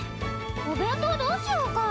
お弁当どうしようか？